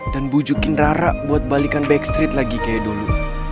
dan bujukin rara buat balikan backstreet lagi kayak dulu